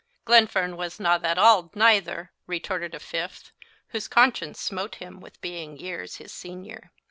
"Glenfern was na that auld neither," retorted a fifth, whose conscience smote him with being years his senior.